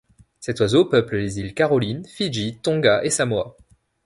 Cet oiseau peuple les îles Carolines, Fidji, Tonga et Samoa.